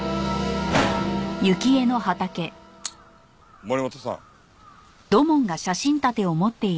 森本さん。